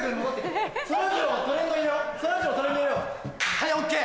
はいＯＫ！